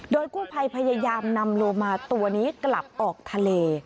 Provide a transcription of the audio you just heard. โดยกู้ภัยพยายามนำโลมาตัวนี้กลับออกทะเล